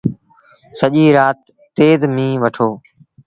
سڄيٚ رآت تيز ميݩهن وٺو۔